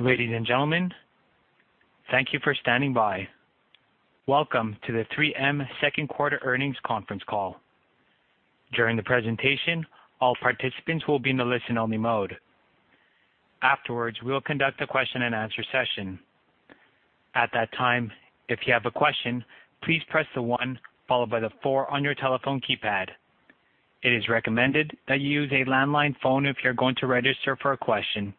Ladies and gentlemen, thank you for standing by. Welcome to the 3M second quarter earnings conference call. During the presentation, all participants will be in the listen-only mode. Afterwards, we will conduct a question-and-answer session. At that time, if you have a question, please press the one followed by the four on your telephone keypad. It is recommended that you use a landline phone if you're going to register for a question.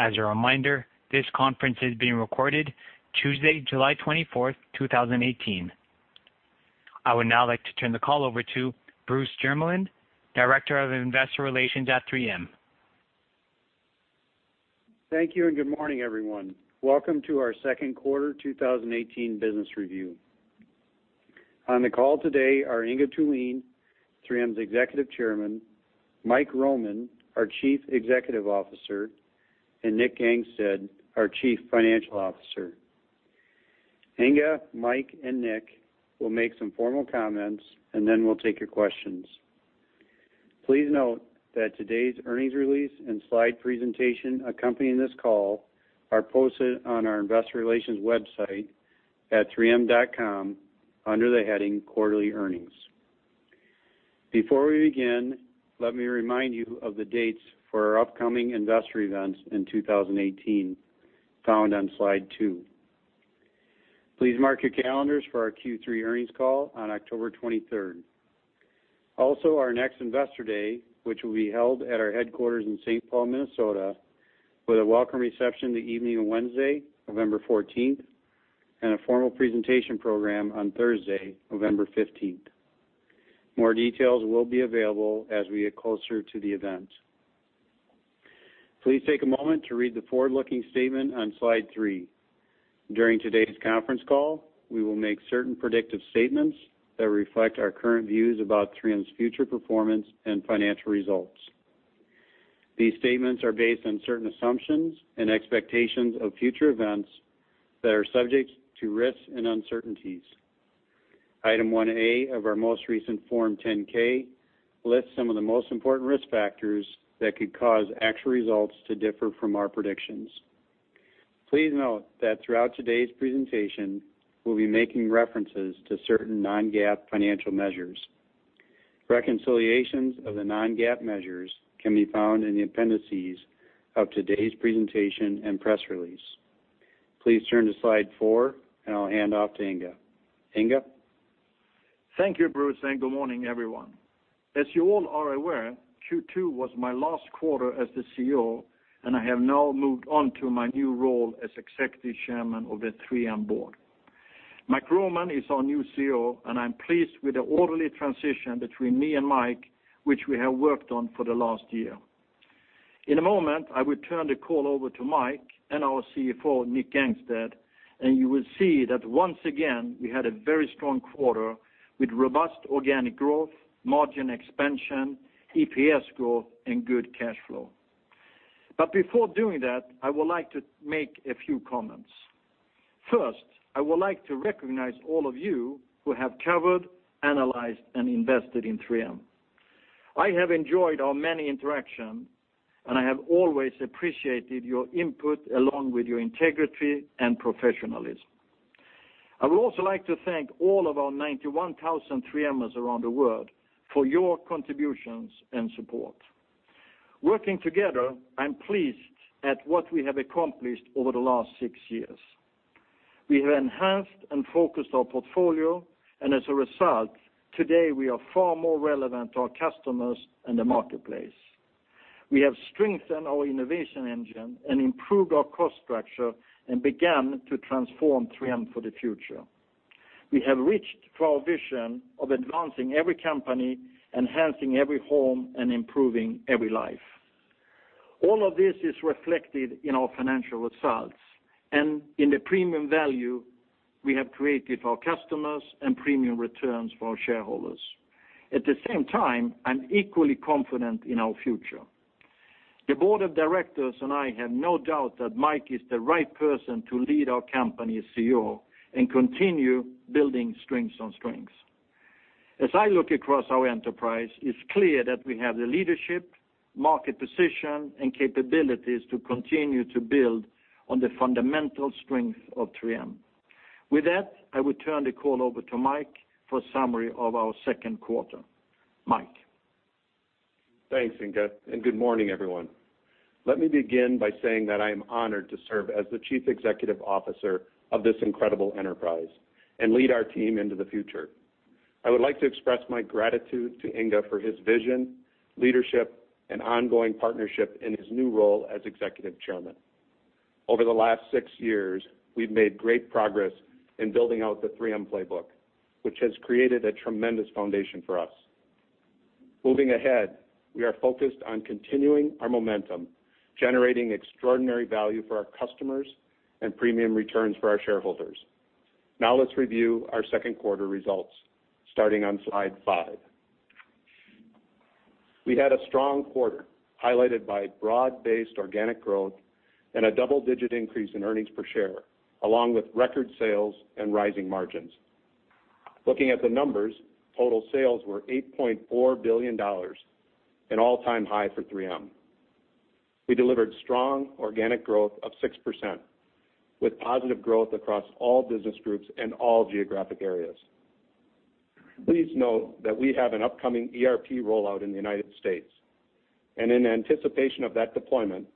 As a reminder, this conference is being recorded Tuesday, July 24th, 2018. I would now like to turn the call over to Bruce Jermeland, Director of Investor Relations at 3M. Thank you. Good morning, everyone. Welcome to our second quarter 2018 business review. On the call today are Inge Thulin, 3M's Executive Chairman, Mike Roman, our Chief Executive Officer, and Nick Gangestad, our Chief Financial Officer. Inge, Mike, and Nick will make some formal comments, and then we'll take your questions. Please note that today's earnings release and slide presentation accompanying this call are posted on our investor relations website at 3m.com under the heading Quarterly Earnings. Before we begin, let me remind you of the dates for our upcoming investor events in 2018, found on slide two. Please mark your calendars for our Q3 earnings call on October 23rd. Also our next Investor Day, which will be held at our headquarters in St. Paul, Minnesota, with a welcome reception the evening of Wednesday, November 14th, and a formal presentation program on Thursday, November 15th. More details will be available as we get closer to the event. Please take a moment to read the forward-looking statement on slide three. During today's conference call, we will make certain predictive statements that reflect our current views about 3M's future performance and financial results. These statements are based on certain assumptions and expectations of future events that are subject to risks and uncertainties. Item 1A of our most recent Form 10-K lists some of the most important risk factors that could cause actual results to differ from our predictions. Please note that throughout today's presentation, we'll be making references to certain non-GAAP financial measures. Reconciliations of the non-GAAP measures can be found in the appendices of today's presentation and press release. Please turn to slide four. I'll hand off to Inge. Inge? Thank you, Bruce. Good morning, everyone. As you all are aware, Q2 was my last quarter as the CEO. I have now moved on to my new role as Executive Chairman of the 3M board. Mike Roman is our new CEO. I'm pleased with the orderly transition between me and Mike, which we have worked on for the last year. In a moment, I will turn the call over to Mike and our CFO, Nick Gangestad. You will see that once again, we had a very strong quarter with robust organic growth, margin expansion, EPS growth, and good cash flow. Before doing that, I would like to make a few comments. First, I would like to recognize all of you who have covered, analyzed, and invested in 3M. I have enjoyed our many interactions, and I have always appreciated your input along with your integrity and professionalism. I would also like to thank all of our 91,000 3Mers around the world for your contributions and support. Working together, I'm pleased at what we have accomplished over the last six years. We have enhanced and focused our portfolio, and as a result, today we are far more relevant to our customers and the marketplace. We have strengthened our innovation engine and improved our cost structure and began to transform 3M for the future. We have reached for our vision of advancing every company, enhancing every home, and improving every life. All of this is reflected in our financial results and in the premium value we have created for our customers and premium returns for our shareholders. At the same time, I'm equally confident in our future. The board of directors and I have no doubt that Mike is the right person to lead our company as CEO and continue building strengths on strengths. As I look across our enterprise, it's clear that we have the leadership, market position, and capabilities to continue to build on the fundamental strength of 3M. With that, I will turn the call over to Mike for a summary of our second quarter. Mike? Thanks, Inge. Good morning, everyone. Let me begin by saying that I am honored to serve as the Chief Executive Officer of this incredible enterprise and lead our team into the future. I would like to express my gratitude to Inge for his vision, leadership, and ongoing partnership in his new role as Executive Chairman. Over the last six years, we've made great progress in building out the 3M playbook, which has created a tremendous foundation for us. Moving ahead, we are focused on continuing our momentum, generating extraordinary value for our customers and premium returns for our shareholders. Now let's review our second quarter results, starting on slide five. We had a strong quarter, highlighted by broad-based organic growth and a double-digit increase in earnings per share, along with record sales and rising margins. Looking at the numbers, total sales were $8.4 billion, an all-time high for 3M. We delivered strong organic growth of 6%, with positive growth across all business groups and all geographic areas. Please note that we have an upcoming ERP rollout in the United States, and in anticipation of that deployment,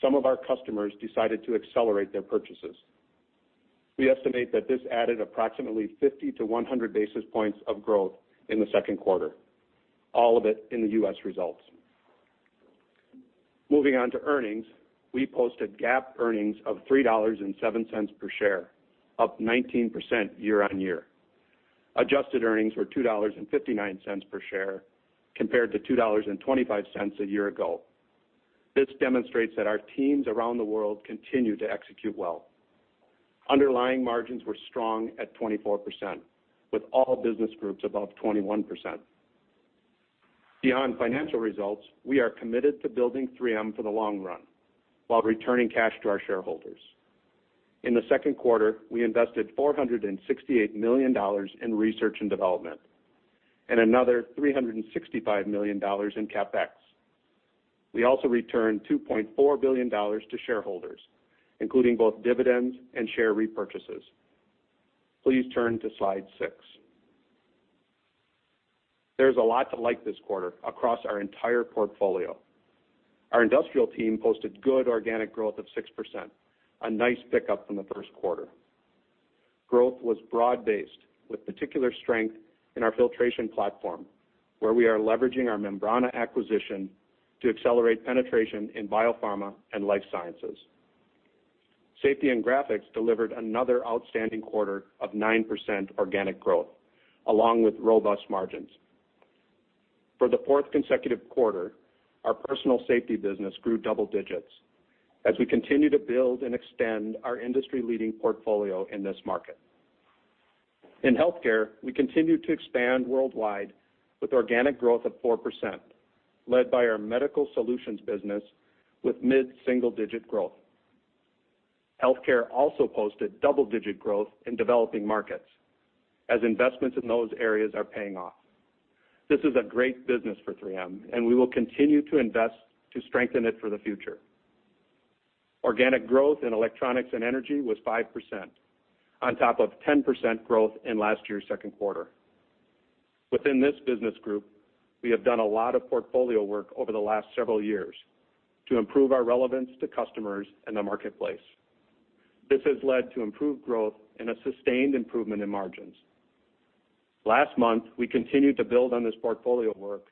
some of our customers decided to accelerate their purchases. We estimate that this added approximately 50 to 100 basis points of growth in the second quarter, all of it in the U.S. results. Moving on to earnings, we posted GAAP earnings of $3.07 per share, up 19% year-on-year. Adjusted earnings were $2.59 per share, compared to $2.25 a year ago. This demonstrates that our teams around the world continue to execute well. Underlying margins were strong at 24%, with all business groups above 21%. Beyond financial results, we are committed to building 3M for the long run while returning cash to our shareholders. In the second quarter, we invested $468 million in research and development and another $365 million in CapEx. We also returned $2.4 billion to shareholders, including both dividends and share repurchases. Please turn to Slide six. There's a lot to like this quarter across our entire portfolio. Our Industrial team posted good organic growth of 6%, a nice pickup from the first quarter. Growth was broad-based, with particular strength in our filtration platform, where we are leveraging our Membrana acquisition to accelerate penetration in biopharma and life sciences. Safety and Graphics delivered another outstanding quarter of 9% organic growth, along with robust margins. For the fourth consecutive quarter, our personal safety business grew double digits as we continue to build and extend our industry-leading portfolio in this market. In Health Care, we continue to expand worldwide with organic growth of 4%, led by our Medical Solutions business, with mid-single-digit growth. Health Care also posted double-digit growth in developing markets as investments in those areas are paying off. This is a great business for 3M, and we will continue to invest to strengthen it for the future. Organic growth in Electronics and Energy was 5%, on top of 10% growth in last year's second quarter. Within this business group, we have done a lot of portfolio work over the last several years to improve our relevance to customers and the marketplace. This has led to improved growth and a sustained improvement in margins. Last month, we continued to build on this portfolio work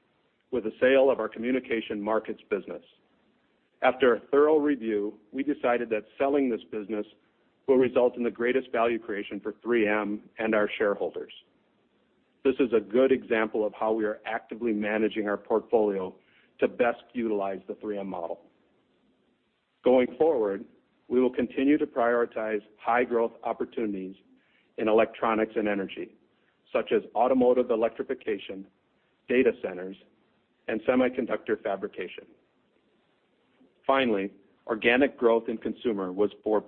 with the sale of our Communication Markets business. After a thorough review, we decided that selling this business will result in the greatest value creation for 3M and our shareholders. This is a good example of how we are actively managing our portfolio to best utilize the 3M model. Going forward, we will continue to prioritize high-growth opportunities in Electronics and Energy, such as automotive electrification, data centers, and semiconductor fabrication. Finally, organic growth in Consumer was 4%,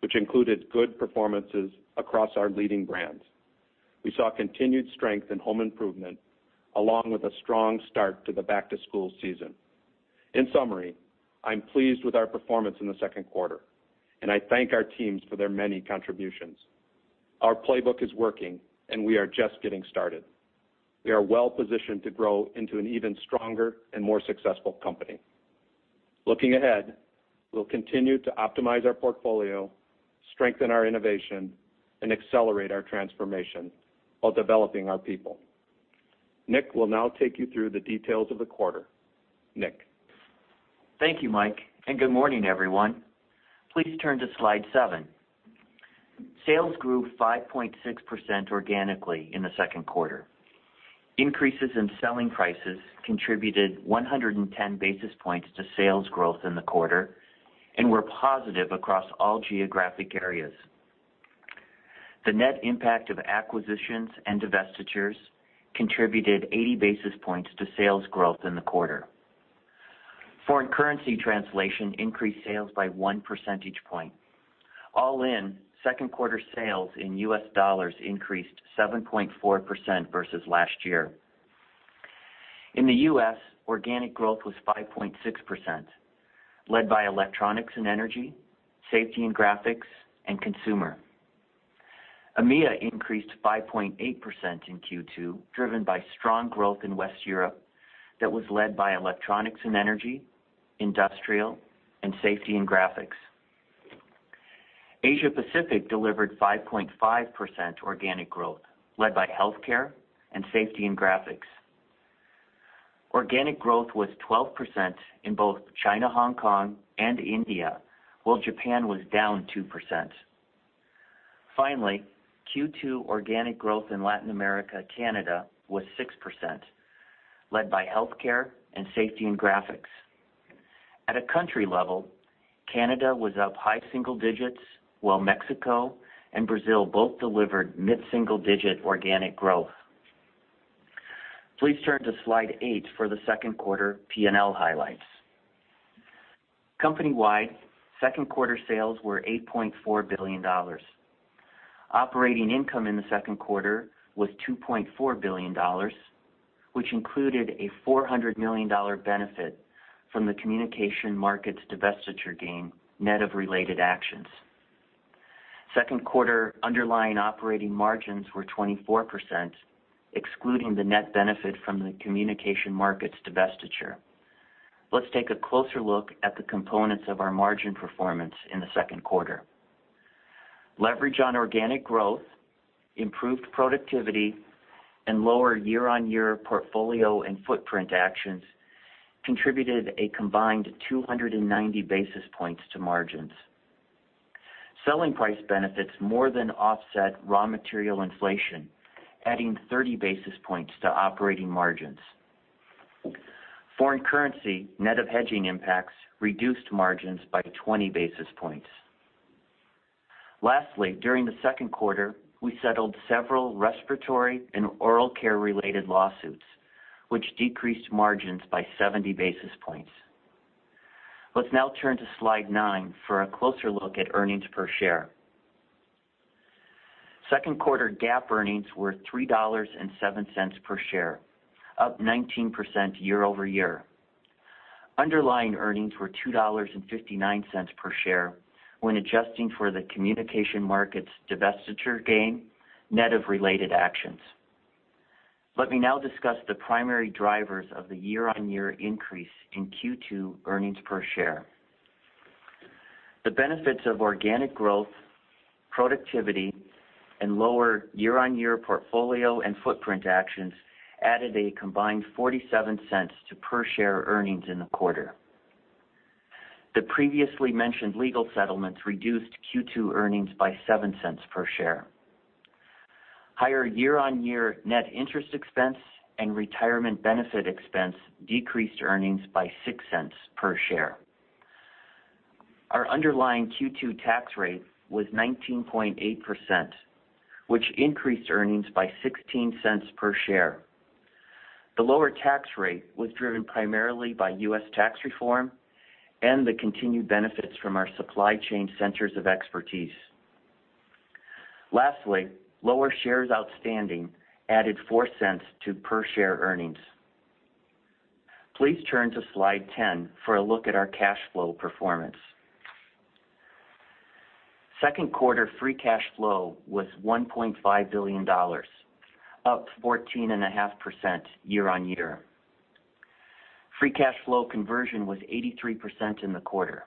which included good performances across our leading brands. We saw continued strength in home improvement along with a strong start to the back-to-school season. In summary, I'm pleased with our performance in the second quarter, and I thank our teams for their many contributions. Our playbook is working, and we are just getting started. We are well-positioned to grow into an even stronger and more successful company. Looking ahead, we'll continue to optimize our portfolio, strengthen our innovation, and accelerate our transformation while developing our people. Nick will now take you through the details of the quarter. Nick. Thank you, Mike, and good morning, everyone. Please turn to Slide seven. Sales grew 5.6% organically in the second quarter. Increases in selling prices contributed 110 basis points to sales growth in the quarter and were positive across all geographic areas. The net impact of acquisitions and divestitures contributed 80 basis points to sales growth in the quarter. Foreign currency translation increased sales by one percentage point. All in, second quarter sales in U.S. dollars increased 7.4% versus last year. In the U.S., organic growth was 5.6%, led by Electronics and Energy, Safety and Graphics, and Consumer. EMEA increased 5.8% in Q2, driven by strong growth in West Europe that was led by Electronics and Energy, Industrial, and Safety and Graphics. Asia Pacific delivered 5.5% organic growth, led by Health Care and Safety and Graphics. Organic growth was 12% in both China, Hong Kong, and India, while Japan was down 2%. Q2 organic growth in Latin America/Canada was 6%, led by healthcare and Safety and Graphics. At a country level, Canada was up high single digits, while Mexico and Brazil both delivered mid-single-digit organic growth. Please turn to slide 8 for the second quarter P&L highlights. Company-wide, second quarter sales were $8.4 billion. Operating income in the second quarter was $2.4 billion, which included a $400 million benefit from the Communication Markets divestiture gain net of related actions. Second quarter underlying operating margins were 24%, excluding the net benefit from the Communication Markets divestiture. Let's take a closer look at the components of our margin performance in the second quarter. Leverage on organic growth, improved productivity, and lower year-on-year portfolio and footprint actions contributed a combined 290 basis points to margins. Selling price benefits more than offset raw material inflation, adding 30 basis points to operating margins. Foreign currency net of hedging impacts reduced margins by 20 basis points. Lastly, during the second quarter, we settled several respiratory and oral care-related lawsuits, which decreased margins by 70 basis points. Let's now turn to slide 9 for a closer look at earnings per share. Second quarter GAAP earnings were $3.07 per share, up 19% year-over-year. Underlying earnings were $2.59 per share when adjusting for the Communication Markets divestiture gain net of related actions. Let me now discuss the primary drivers of the year-on-year increase in Q2 earnings per share. The benefits of organic growth, productivity, and lower year-on-year portfolio and footprint actions added a combined $0.47 to per share earnings in the quarter. The previously mentioned legal settlements reduced Q2 earnings by $0.07 per share. Higher year-on-year net interest expense and retirement benefit expense decreased earnings by $0.06 per share. Our underlying Q2 tax rate was 19.8%, which increased earnings by $0.16 per share. The lower tax rate was driven primarily by U.S. tax reform and the continued benefits from our supply chain centers of expertise. Lastly, lower shares outstanding added $0.04 to per share earnings. Please turn to slide 10 for a look at our cash flow performance. Second quarter free cash flow was $1.5 billion, up 14.5% year-on-year. Free cash flow conversion was 83% in the quarter.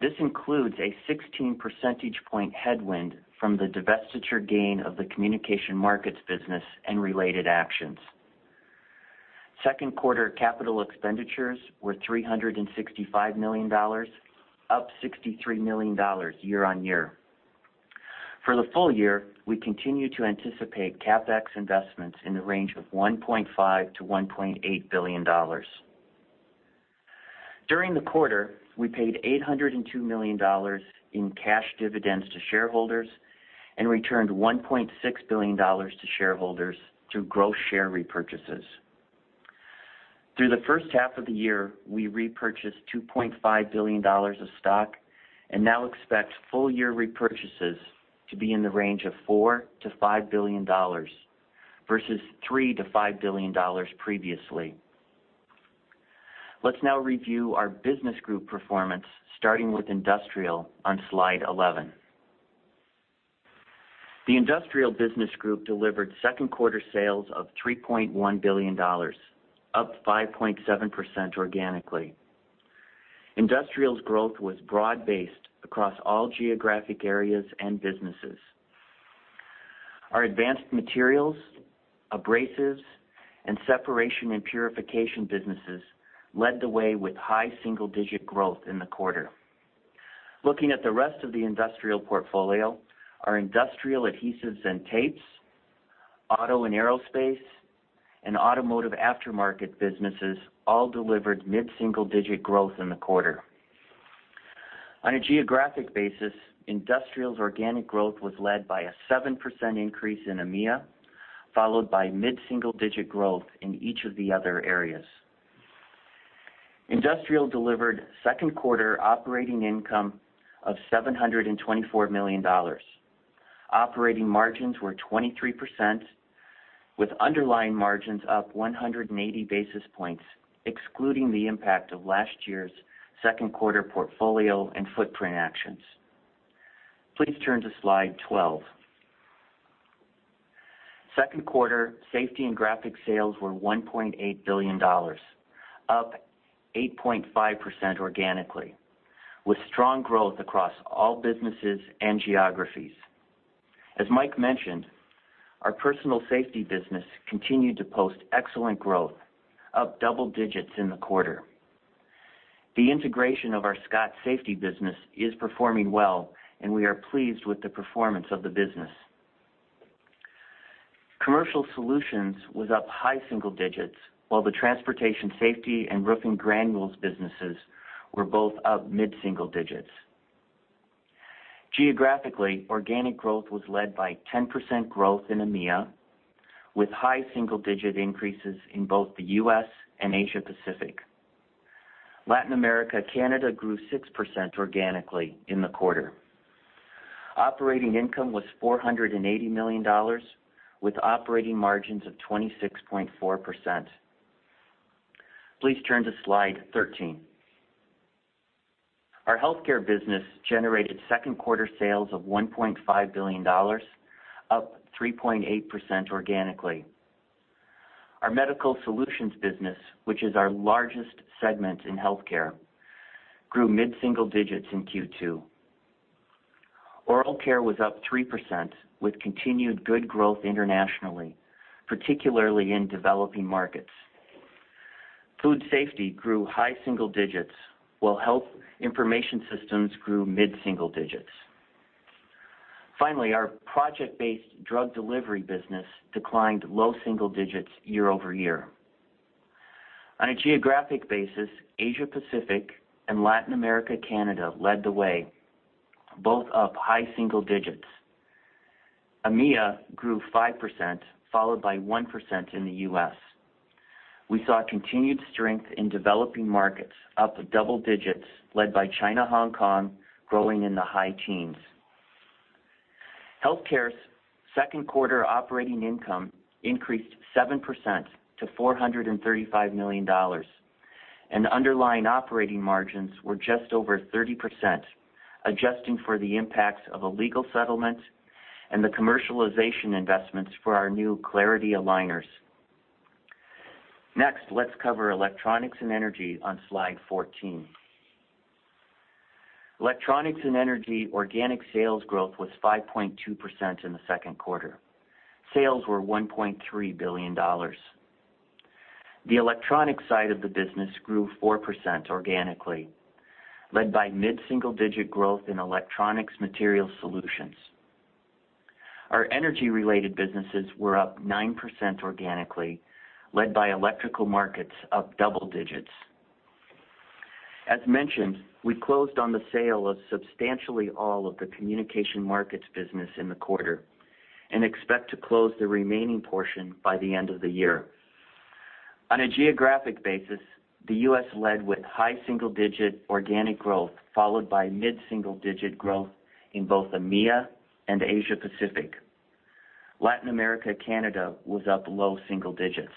This includes a 16 percentage point headwind from the divestiture gain of the Communication Markets business and related actions. Second quarter capital expenditures were $365 million, up $63 million year-on-year. For the full year, we continue to anticipate CapEx investments in the range of $1.5 billion-$1.8 billion. During the quarter, we paid $802 million in cash dividends to shareholders and returned $1.6 billion to shareholders through gross share repurchases. Through the first half of the year, we repurchased $2.5 billion of stock and now expect full year repurchases to be in the range of $4 billion-$5 billion versus $3 billion-$5 billion previously. Let's now review our business group performance, starting with Industrial on slide 11. The Industrial Business Group delivered second quarter sales of $3.1 billion, up 5.7% organically. Industrial's growth was broad-based across all geographic areas and businesses. Our advanced materials, abrasives, and separation and purification businesses led the way with high single-digit growth in the quarter. Looking at the rest of the Industrial portfolio, our industrial adhesives and tapes, auto and aerospace, and automotive aftermarket businesses all delivered mid-single digit growth in the quarter. On a geographic basis, Industrial's organic growth was led by a 7% increase in EMEA, followed by mid-single digit growth in each of the other areas. Industrial delivered second quarter operating income of $724 million. Operating margins were 23%, with underlying margins up 180 basis points, excluding the impact of last year's second quarter portfolio and footprint actions. Please turn to slide 12. Second quarter Safety and Graphics sales were $1.8 billion, up 8.5% organically, with strong growth across all businesses and geographies. As Mike mentioned, our personal safety business continued to post excellent growth, up double digits in the quarter. The integration of our Scott Safety business is performing well, and we are pleased with the performance of the business. Commercial Solutions was up high single digits, while the transportation safety and roofing granules businesses were both up mid-single digits. Geographically, organic growth was led by 10% growth in EMEA, with high single-digit increases in both the U.S. and Asia Pacific. Latin America/Canada grew 6% organically in the quarter. Operating income was $480 million, with operating margins of 26.4%. Please turn to slide 13. Our Health Care business generated second quarter sales of $1.5 billion, up 3.8% organically. Our Medical Solutions business, which is our largest segment in Health Care, grew mid-single digits in Q2. Oral Care was up 3%, with continued good growth internationally, particularly in developing markets. Food Safety grew high single digits, while Health Information Systems grew mid-single digits. Finally, our project-based drug delivery business declined low single digits year-over-year. On a geographic basis, Asia Pacific and Latin America/Canada led the way, both up high single digits. EMEA grew 5%, followed by 1% in the U.S. We saw continued strength in developing markets, up double digits, led by China/Hong Kong growing in the high teens. Health Care's second quarter operating income increased 7% to $435 million, and underlying operating margins were just over 30%, adjusting for the impacts of a legal settlement and the commercialization investments for our new Clarity Aligners. Next, let's cover Electronics and Energy on slide 14. Electronics and Energy organic sales growth was 5.2% in the second quarter. Sales were $1.3 billion. The electronic side of the business grew 4% organically, led by mid-single-digit growth in Electronics Material Solutions. Our energy-related businesses were up 9% organically, led by Electrical Markets, up double digits. As mentioned, we closed on the sale of substantially all of the Communication Markets business in the quarter and expect to close the remaining portion by the end of the year. On a geographic basis, the U.S. led with high single-digit organic growth, followed by mid-single-digit growth in both EMEA and Asia Pacific. Latin America/Canada was up low single digits.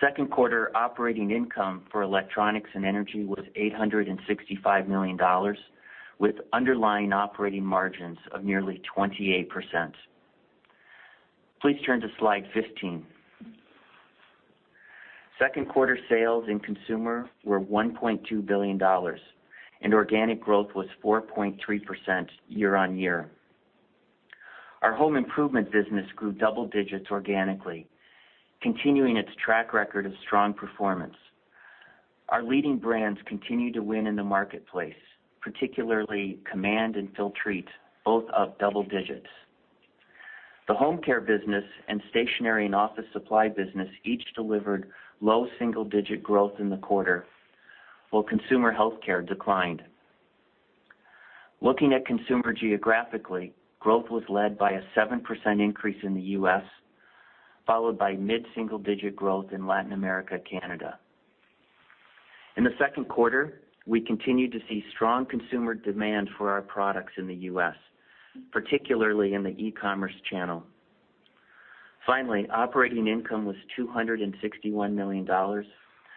Second quarter operating income for Electronics and Energy was $865 million, with underlying operating margins of nearly 28%. Please turn to slide 15. Second quarter sales in Consumer were $1.2 billion, and organic growth was 4.3% year-over-year. Our Home Improvement business grew double digits organically, continuing its track record of strong performance. Our leading brands continue to win in the marketplace, particularly Command and Filtrete, both up double digits. The Home Care business and Stationery and Office Supply business each delivered low double-digit growth in the quarter, while Consumer Health Care declined. Looking at Consumer geographically, growth was led by a 7% increase in the U.S., followed by mid-single-digit growth in Latin America/Canada. In the second quarter, we continued to see strong consumer demand for our products in the U.S., particularly in the e-commerce channel. Operating income was $261 million,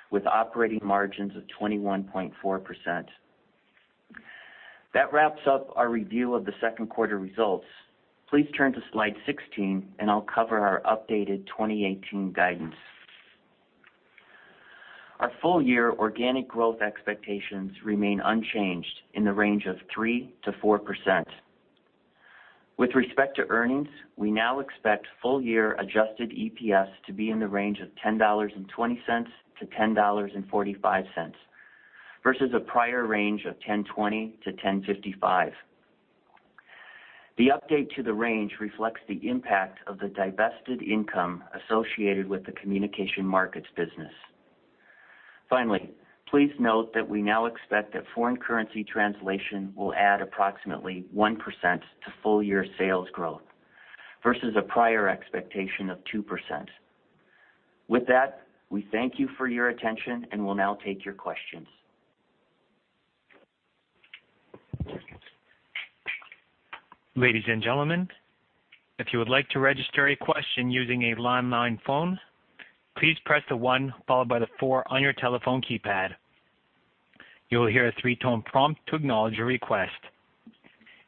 with operating margins of 21.4%. That wraps up our review of the second quarter results. Please turn to slide 16, and I'll cover our updated 2018 guidance. Our full year organic growth expectations remain unchanged in the range of 3%-4%. With respect to earnings, we now expect full year adjusted EPS to be in the range of $10.20-$10.45, versus a prior range of $10.20-$10.55. The update to the range reflects the impact of the divested income associated with the Communication Markets business. Please note that we now expect that foreign currency translation will add approximately 1% to full-year sales growth versus a prior expectation of 2%. We thank you for your attention and will now take your questions. Ladies and gentlemen, if you would like to register a question using a landline phone, please press the one followed by the four on your telephone keypad. You will hear a three-tone prompt to acknowledge your request.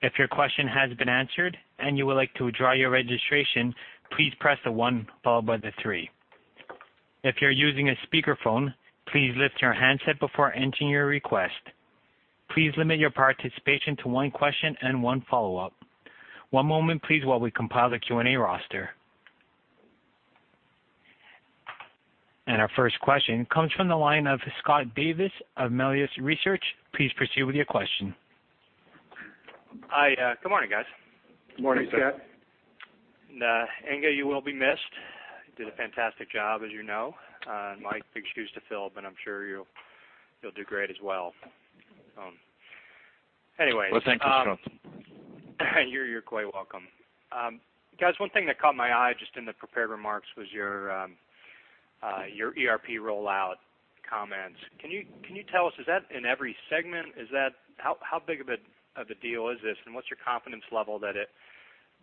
If your question has been answered and you would like to withdraw your registration, please press the one followed by the three. If you're using a speakerphone, please lift your handset before entering your request. Please limit your participation to one question and one follow-up. One moment, please, while we compile the Q&A roster. Our first question comes from the line of Scott Davis of Melius Research. Please proceed with your question. Hi. Good morning, guys. Good morning, Scott. Inge, you will be missed. Did a fantastic job, as you know. Mike, big shoes to fill, but I'm sure you'll do great as well. Anyway. Well, thank you, Scott. You're quite welcome. Guys, one thing that caught my eye just in the prepared remarks was your ERP rollout comments. Can you tell us, is that in every segment? How big of a deal is this, and what's your confidence level that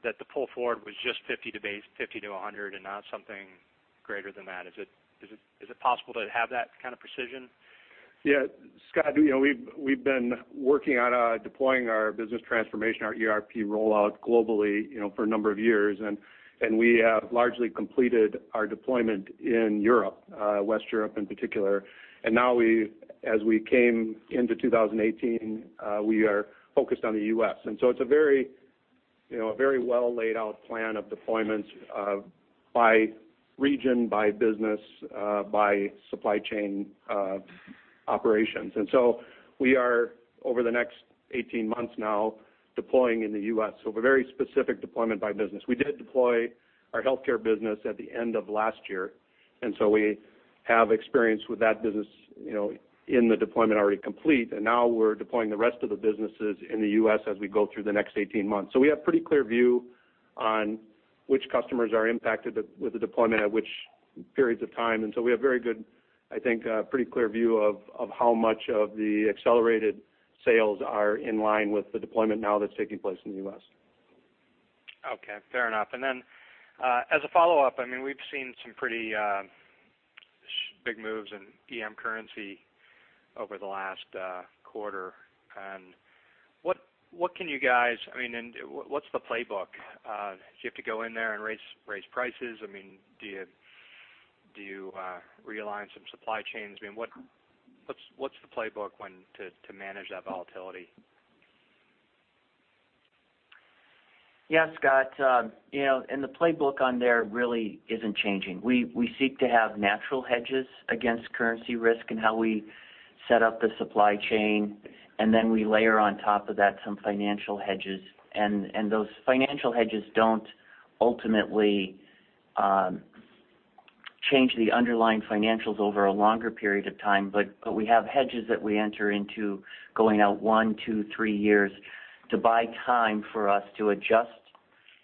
the pull forward was just 50 to 100 and not something greater than that? Is it possible to have that kind of precision? Scott, we've been working on deploying our business transformation, our ERP rollout globally for a number of years. We have largely completed our deployment in Europe, West Europe in particular. Now as we came into 2018, we are focused on the U.S. It's a very well laid out plan of deployments by region, by business, by supply chain operations. We are, over the next 18 months now, deploying in the U.S., so a very specific deployment by business. We did deploy our healthcare business at the end of last year, so we have experience with that business in the deployment already complete. Now we're deploying the rest of the businesses in the U.S. as we go through the next 18 months. We have pretty clear view on which customers are impacted with the deployment at which periods of time, we have very good, I think, pretty clear view of how much of the accelerated sales are in line with the deployment now that's taking place in the U.S. Okay, fair enough. Then, as a follow-up, we've seen some pretty big moves in EM currency over the last quarter. What's the playbook? Do you have to go in there and raise prices? Do you realign some supply chains? What's the playbook to manage that volatility? Scott. The playbook on there really isn't changing. We seek to have natural hedges against currency risk in how we set up the supply chain, then we layer on top of that some financial hedges. Those financial hedges don't ultimately change the underlying financials over a longer period of time. We have hedges that we enter into going out one, two, three years to buy time for us to adjust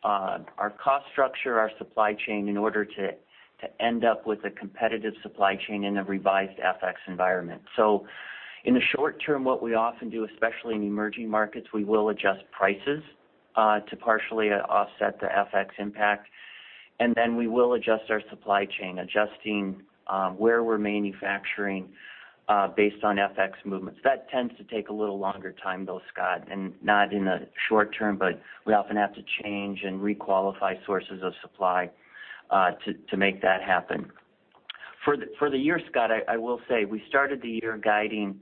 our cost structure, our supply chain, in order to end up with a competitive supply chain in a revised FX environment. In the short term, what we often do, especially in emerging markets, we will adjust prices to partially offset the FX impact. Then we will adjust our supply chain, adjusting where we're manufacturing based on FX movements. That tends to take a little longer time though, Scott, not in the short term, but we often have to change and re-qualify sources of supply to make that happen. For the year, Scott, I will say, we started the year guiding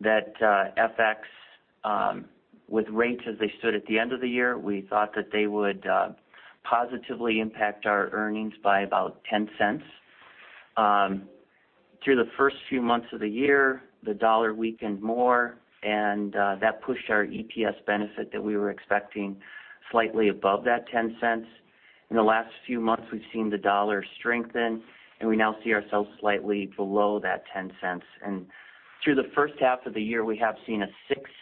that FX with rates as they stood at the end of the year. We thought that they would positively impact our earnings by about $0.10. Through the first few months of the year, the dollar weakened more, that pushed our EPS benefit that we were expecting slightly above that $0.10. In the last few months, we've seen the dollar strengthen, we now see ourselves slightly below that $0.10. Through the first half of the year, we have seen a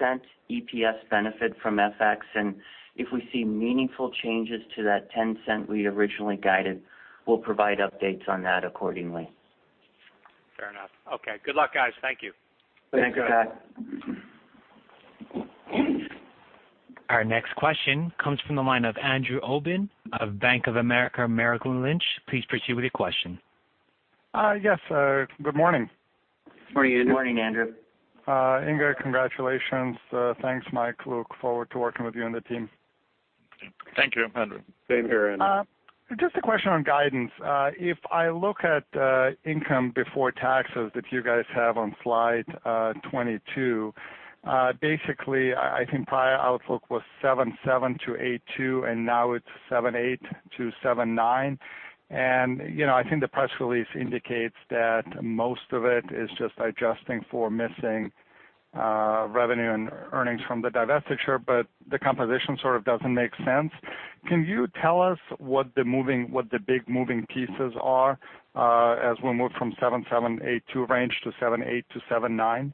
$0.06 EPS benefit from FX. If we see meaningful changes to that $0.10 we originally guided, we'll provide updates on that accordingly. Fair enough. Okay. Good luck, guys. Thank you. Thanks, Scott. Thank you. Our next question comes from the line of Andrew Obin of Bank of America, Merrill Lynch. Please proceed with your question. Yes, good morning. Morning, Andrew. Morning, Andrew. Inge, congratulations. Thanks, Mike. Look forward to working with you and the team. Thank you, Andrew. Same here, Andrew. Just a question on guidance. If I look at income before taxes that you guys have on slide 22, basically, I think prior outlook was 7.7 to 8.2, and now it's 7.8 to 7.9. I think the press release indicates that most of it is just adjusting for missing revenue and earnings from the divestiture, but the composition sort of doesn't make sense. Can you tell us what the big moving pieces are as we move from 7.7, 8.2 range to 7.8 to 7.9?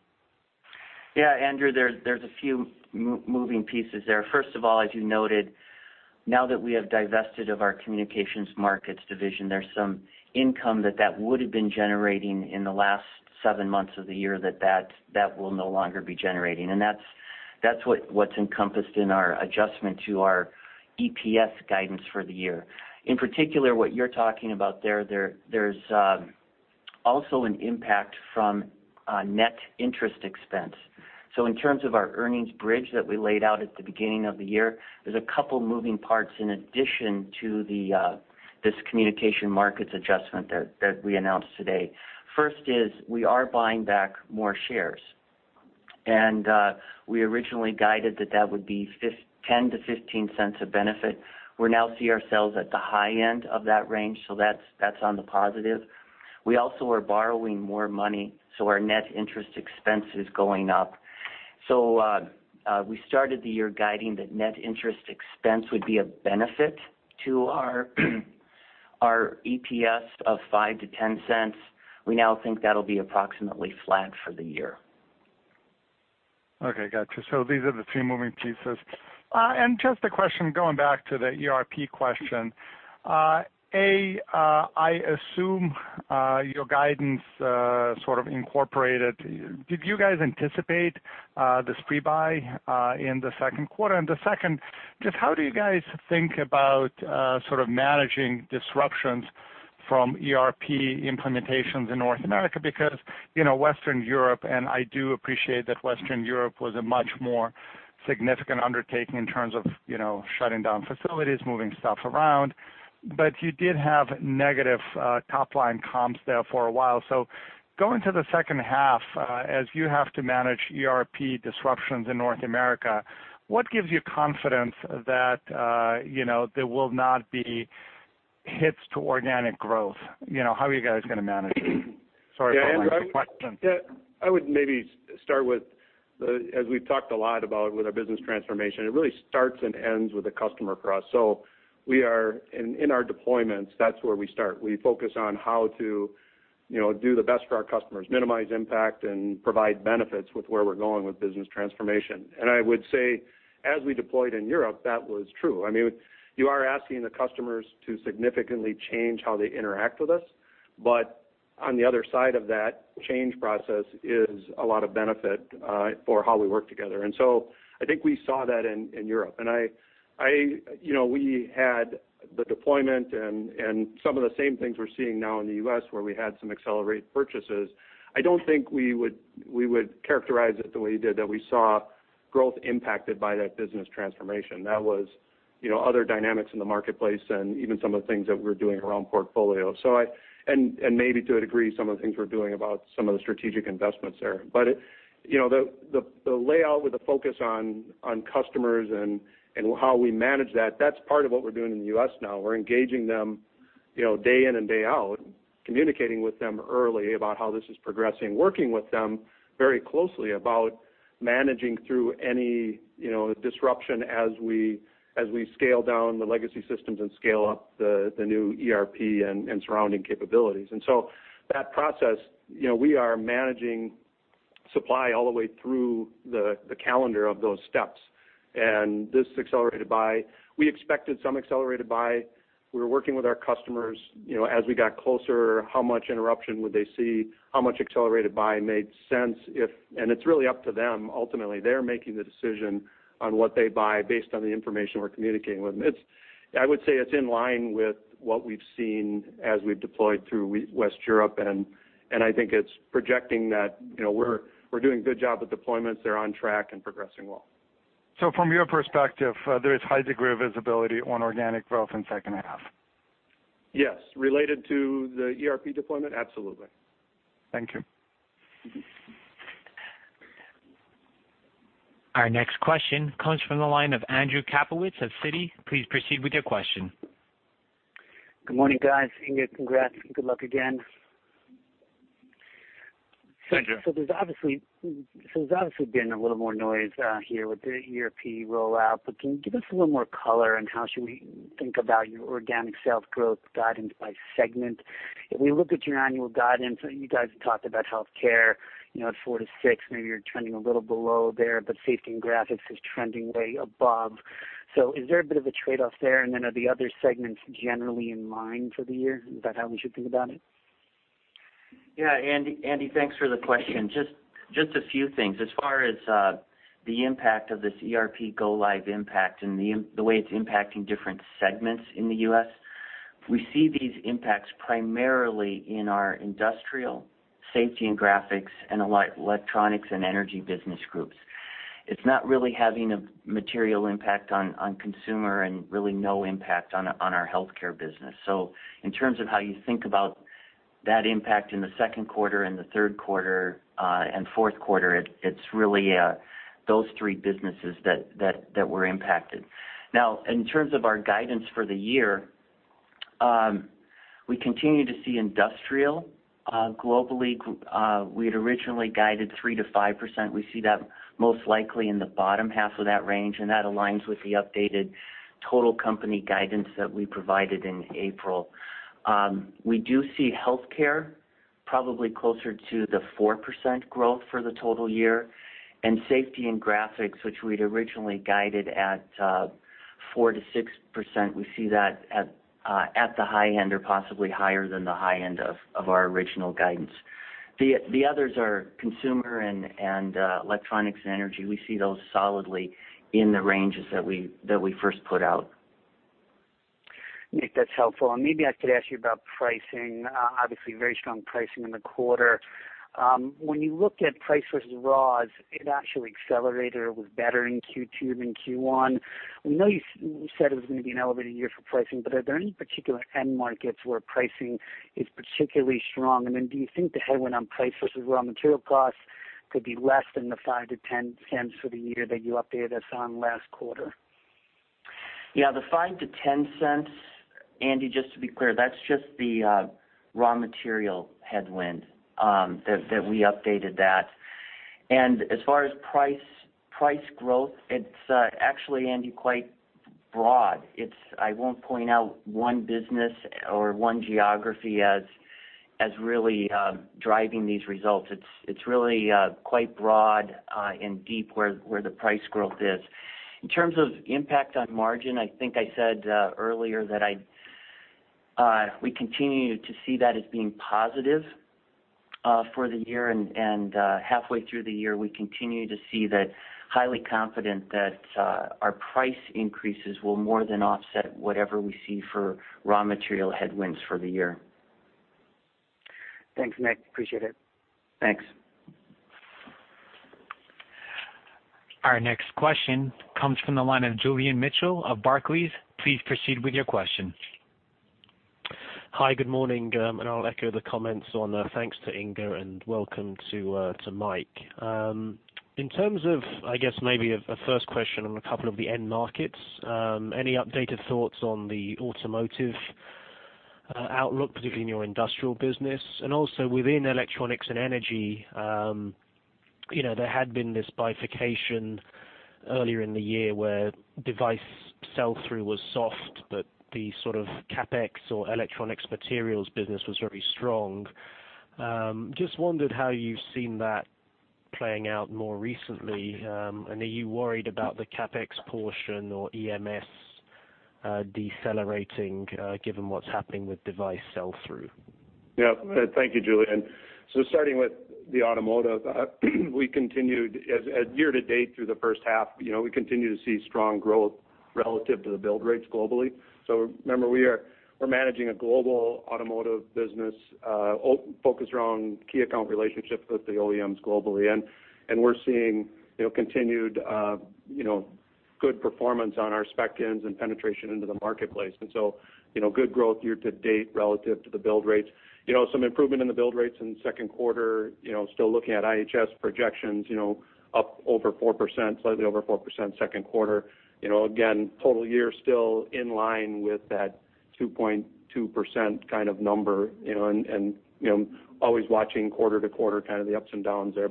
Yeah, Andrew, there's a few moving pieces there. First of all, as you noted, now that we have divested of our Communication Markets Division, there's some income that would've been generating in the last seven months of the year that will no longer be generating. That's what's encompassed in our adjustment to our EPS guidance for the year. In particular, what you're talking about there's also an impact from net interest expense. In terms of our earnings bridge that we laid out at the beginning of the year, there's a couple moving parts in addition to this Communication Markets adjustment that we announced today. First is we are buying back more shares. We originally guided that would be $0.10 to $0.15 of benefit. We now see ourselves at the high end of that range, so that's on the positive. We also are borrowing more money, so our net interest expense is going up. We started the year guiding that net interest expense would be a benefit to our EPS of five to $0.10. We now think that'll be approximately flat for the year. Okay, got you. These are the two moving pieces. Just a question, going back to the ERP question. A, I assume your guidance sort of incorporated Did you guys anticipate this pre-buy in the second quarter? The second, just how do you guys think about sort of managing disruptions from ERP implementations in North America? Because Western Europe, and I do appreciate that Western Europe was a much more significant undertaking in terms of shutting down facilities, moving stuff around, but you did have negative top-line comps there for a while. Going to the second half, as you have to manage ERP disruptions in North America, what gives you confidence that there will not be hits to organic growth? How are you guys going to manage it? Sorry for all the questions. Yeah, Andrew, I would maybe start with, as we've talked a lot about with our business transformation, it really starts and ends with the customer for us. We are in our deployments, that's where we start. We focus on how to do the best for our customers, minimize impact, and provide benefits with where we're going with business transformation. I would say, as we deployed in Europe, that was true. You are asking the customers to significantly change how they interact with us. On the other side of that change process is a lot of benefit for how we work together. I think we saw that in Europe. We had the deployment and some of the same things we're seeing now in the U.S. where we had some accelerated purchases. I don't think we would characterize it the way you did, that we saw growth impacted by that business transformation. That was other dynamics in the marketplace and even some of the things that we're doing around portfolio. Maybe to a degree, some of the things we're doing about some of the strategic investments there. The layout with a focus on customers and how we manage that's part of what we're doing in the U.S. now. We're engaging them day in and day out, communicating with them early about how this is progressing, working with them very closely about managing through any disruption as we scale down the legacy systems and scale up the new ERP and surrounding capabilities. That process, we are managing supply all the way through the calendar of those steps. This accelerated buy, we expected some accelerated buy. We were working with our customers as we got closer, how much interruption would they see, how much accelerated buy made sense, and it's really up to them. Ultimately, they're making the decision on what they buy based on the information we're communicating with them. I would say it's in line with what we've seen as we've deployed through West Europe, and I think it's projecting that we're doing a good job with deployments. They're on track and progressing well. From your perspective, there is high degree of visibility on organic growth in second half? Yes. Related to the ERP deployment? Absolutely. Thank you. Our next question comes from the line of Andrew Kaplowitz of Citi. Please proceed with your question. Good morning, guys. Inge, congrats and good luck again. Andrew. There's obviously been a little more noise here with the ERP rollout, can you give us a little more color on how should we think about your organic sales growth guidance by segment? If we look at your annual guidance, you guys have talked about Health Care at 4% to 6%. Maybe you're trending a little below there, Safety and Graphics is trending way above. Is there a bit of a trade-off there? Are the other segments generally in line for the year? Is that how we should think about it? Andy, thanks for the question. Just a few things. As far as the impact of this ERP go live impact and the way it's impacting different segments in the U.S., we see these impacts primarily in our Industrial, Safety and Graphics, and Electronics and Energy business groups. It's not really having a material impact on Consumer and really no impact on our Health Care business. In terms of how you think about that impact in the second quarter and the third quarter and fourth quarter, it's really those three businesses that were impacted. In terms of our guidance for the year, we continue to see Industrial globally. We had originally guided 3% to 5%. We see that most likely in the bottom half of that range, and that aligns with the updated total company guidance that we provided in April. We do see Health Care probably closer to the 4% growth for the total year. Safety and Graphics, which we'd originally guided at 4% to 6%, we see that at the high end or possibly higher than the high end of our original guidance. The others are Consumer and Electronics and Energy. We see those solidly in the ranges that we first put out. Nick, that's helpful. Maybe I could ask you about pricing. Obviously, very strong pricing in the quarter. When you look at price versus raws, it actually accelerated or was better in Q2 than Q1. We know you said it was going to be an elevated year for pricing, are there any particular end markets where pricing is particularly strong? Do you think the headwind on price versus raw material costs could be less than the $0.05 to $0.10 for the year that you updated us on last quarter? Yeah. The $0.05 to $0.10, Andy, just to be clear, that's just the raw material headwind that we updated that. As far as price growth, it's actually, Andy, quite broad. I won't point out one business or one geography as really driving these results. It's really quite broad and deep where the price growth is. In terms of impact on margin, I think I said earlier that we continue to see that as being positive for the year. Halfway through the year, we continue to see that highly confident that our price increases will more than offset whatever we see for raw material headwinds for the year. Thanks, Nick. Appreciate it. Thanks. Our next question comes from the line of Julian Mitchell of Barclays. Please proceed with your question. Hi, good morning. I'll echo the comments on the thanks to Inge and welcome to Mike. In terms of, I guess maybe a first question on a couple of the end markets, any updated thoughts on the automotive outlook, particularly in your industrial business? Also within Electronics and Energy, there had been this bifurcation earlier in the year where device sell-through was soft, but the sort of CapEx or electronics materials business was very strong. Just wondered how you've seen that playing out more recently, and are you worried about the CapEx portion or EMS decelerating, given what's happening with device sell-through? Thank you, Julian. Starting with the automotive, year to date through the first half, we continue to see strong growth relative to the build rates globally. Remember, we're managing a global automotive business, focused around key account relationships with the OEMs globally. We're seeing continued good performance on our spec-ins and penetration into the marketplace. Good growth year to date relative to the build rates. Some improvement in the build rates in the second quarter, still looking at IHS projections, slightly over 4% second quarter. Again, total year still in line with that 2.2% kind of number, and always watching quarter to quarter, kind of the ups and downs there.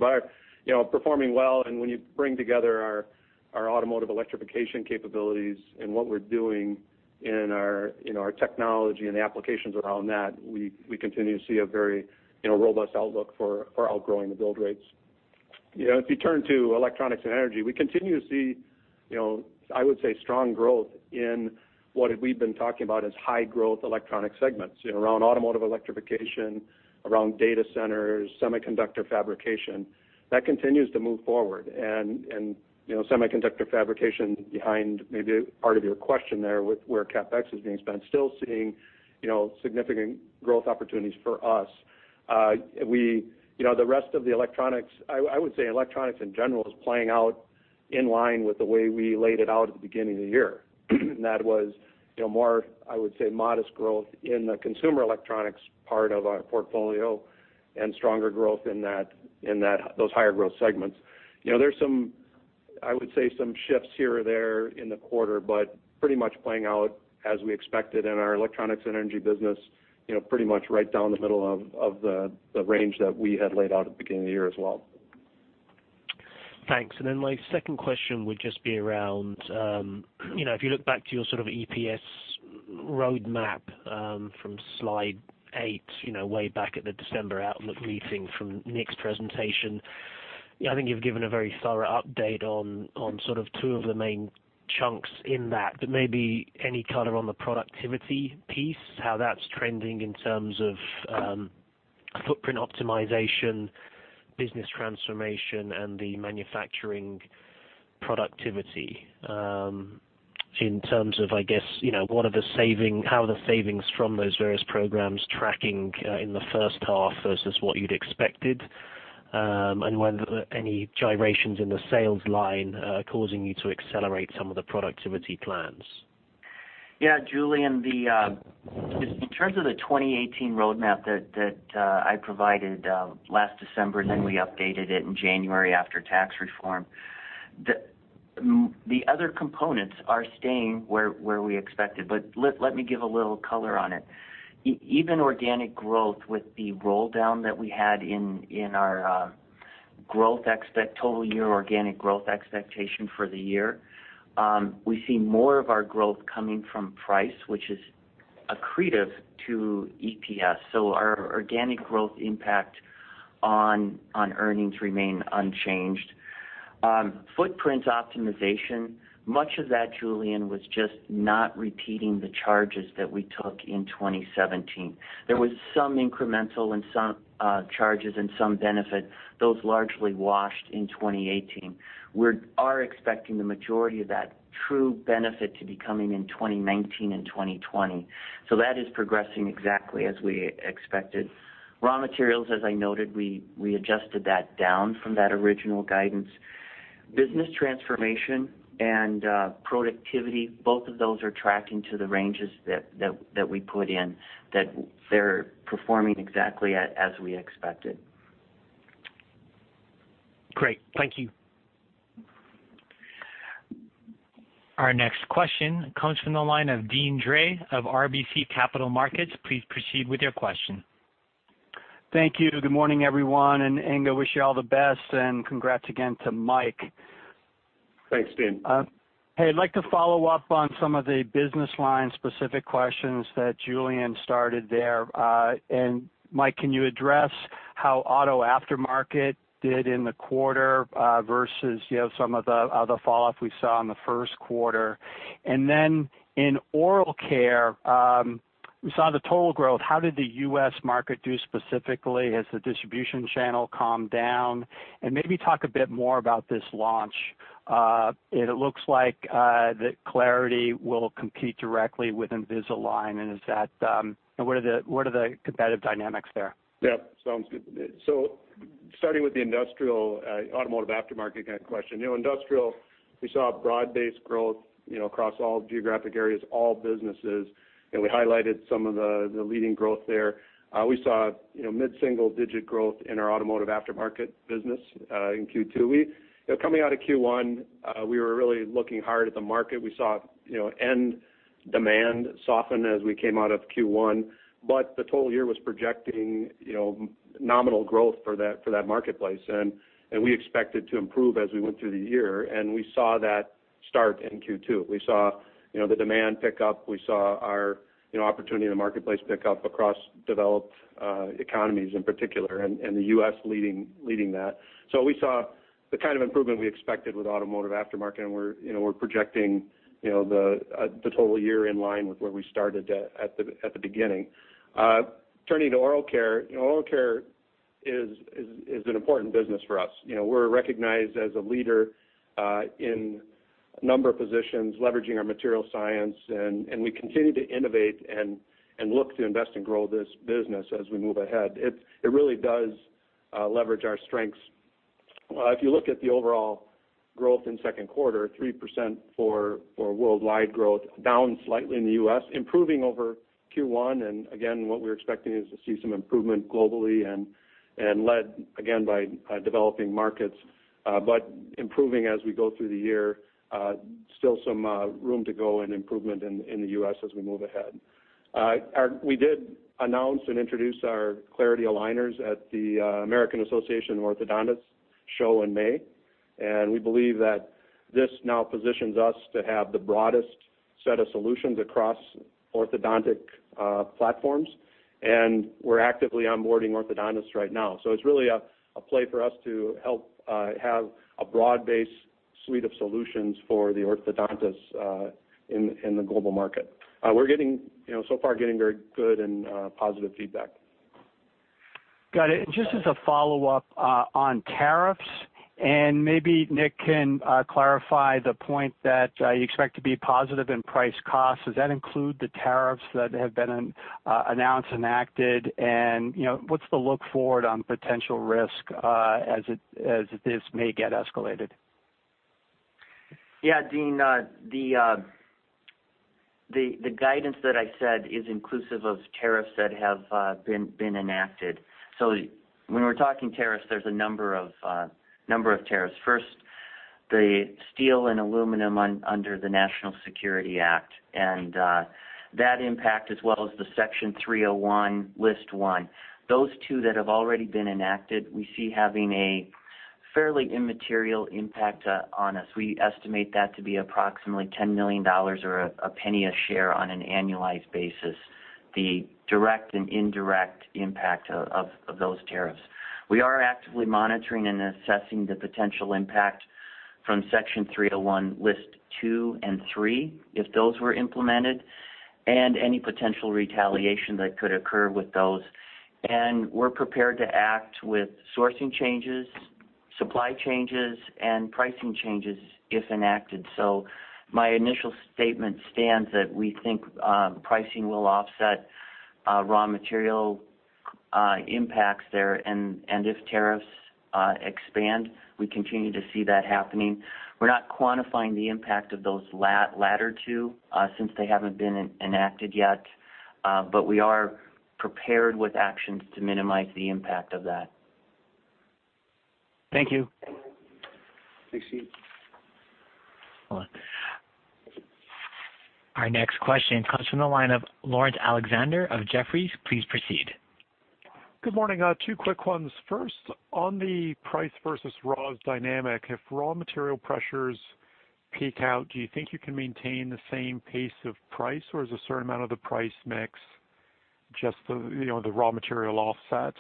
Performing well, when you bring together our automotive electrification capabilities and what we're doing in our technology and the applications around that, we continue to see a very robust outlook for outgrowing the build rates. If you turn to electronics and energy, we continue to see, I would say, strong growth in what we've been talking about as high growth electronic segments. Around automotive electrification, around data centers, semiconductor fabrication. That continues to move forward and semiconductor fabrication behind maybe part of your question there with where CapEx is being spent, still seeing significant growth opportunities for us. I would say electronics in general is playing out in line with the way we laid it out at the beginning of the year. That was more, I would say, modest growth in the consumer electronics part of our portfolio and stronger growth in those higher growth segments. There's some, I would say, some shifts here or there in the quarter, but pretty much playing out as we expected in our electronics and energy business, pretty much right down the middle of the range that we had laid out at the beginning of the year as well. Thanks. My second question would just be around, if you look back to your sort of EPS roadmap from slide eight, way back at the December outlook meeting from Nick's presentation. I think you've given a very thorough update on sort of two of the main chunks in that, but maybe any color on the productivity piece, how that's trending in terms of footprint optimization, business transformation, and the manufacturing productivity. In terms of, I guess, how are the savings from those various programs tracking in the first half versus what you'd expected, and were there any gyrations in the sales line causing you to accelerate some of the productivity plans? Julian, in terms of the 2018 roadmap that I provided last December, and then we updated it in January after tax reform, the other components are staying where we expected. Let me give a little color on it. Even organic growth with the roll down that we had in our total year organic growth expectation for the year, we see more of our growth coming from price, which is accretive to EPS. Our organic growth impact on earnings remain unchanged. Footprint optimization, much of that, Julian, was just not repeating the charges that we took in 2017. There was some incremental charges and some benefit. Those largely washed in 2018. We are expecting the majority of that true benefit to be coming in 2019 and 2020. That is progressing exactly as we expected. Raw materials, as I noted, we adjusted that down from that original guidance. Business transformation and productivity, both of those are tracking to the ranges that we put in, that they're performing exactly as we expected. Great. Thank you. Our next question comes from the line of Deane Dray of RBC Capital Markets. Please proceed with your question. Thank you. Good morning, everyone, and Inge, wish you all the best and congrats again to Mike. Thanks, Deane. Hey, I'd like to follow up on some of the business line-specific questions that Julian started there. Mike, can you address how auto aftermarket did in the quarter versus some of the other fallout we saw in the first quarter? Then in oral care, we saw the total growth. How did the U.S. market do specifically? Has the distribution channel calmed down? Maybe talk a bit more about this launch. It looks like the Clarity will compete directly with Invisalign and what are the competitive dynamics there? Yeah, sounds good. Starting with the industrial automotive aftermarket kind of question. Industrial, we saw broad-based growth across all geographic areas, all businesses, and we highlighted some of the leading growth there. We saw mid-single digit growth in our automotive aftermarket business in Q2. Coming out of Q1, we were really looking hard at the market. We saw end demand soften as we came out of Q1, but the total year was projecting nominal growth for that marketplace. We expected to improve as we went through the year, and we saw that start in Q2. We saw the demand pick up. We saw our opportunity in the marketplace pick up across developed economies in particular, and the U.S. leading that. We saw the kind of improvement we expected with automotive aftermarket, and we're projecting the total year in line with where we started at the beginning. Turning to oral care. Oral care is an important business for us. We're recognized as a leader in a number of positions, leveraging our material science, and we continue to innovate and look to invest and grow this business as we move ahead. It really does leverage our strengths. If you look at the overall growth in second quarter, 3% for worldwide growth, down slightly in the U.S., improving over Q1, and again, what we're expecting is to see some improvement globally and led, again, by developing markets, but improving as we go through the year. Still some room to go and improvement in the U.S. as we move ahead. We did announce and introduce our Clarity Aligners at the American Association of Orthodontists show in May. We believe that this now positions us to have the broadest set of solutions across orthodontic platforms. We're actively onboarding orthodontists right now. It's really a play for us to help have a broad-based suite of solutions for the orthodontists in the global market. We're so far getting very good and positive feedback. Got it. Just as a follow-up on tariffs, maybe Nick can clarify the point that you expect to be positive in price costs. Does that include the tariffs that have been announced, enacted, and what's the look forward on potential risk as this may get escalated? Yeah, Deane, the guidance that I said is inclusive of tariffs that have been enacted. When we're talking tariffs, there's a number of tariffs. First, the steel and aluminum under the National Security Act. That impact, as well as the Section 301, List 1. Those two that have already been enacted, we see having a fairly immaterial impact on us. We estimate that to be approximately $10 million or $0.01 a share on an annualized basis, the direct and indirect impact of those tariffs. We are actively monitoring and assessing the potential impact from Section 301, List 2 and 3, if those were implemented, and any potential retaliation that could occur with those. We're prepared to act with sourcing changes, supply changes, and pricing changes if enacted. My initial statement stands that we think pricing will offset raw material impacts there, and if tariffs expand, we continue to see that happening. We're not quantifying the impact of those latter two, since they haven't been enacted yet. We are prepared with actions to minimize the impact of that. Thank you. Thanks, Deane. Hold on. Our next question comes from the line of Laurence Alexander of Jefferies. Please proceed. Good morning. Two quick ones. First, on the price versus raws dynamic, if raw material pressures peak out, do you think you can maintain the same pace of price, or is a certain amount of the price mix just the raw material offset?